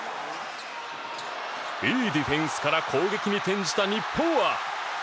いいディフェンスから攻撃に転じた日本は。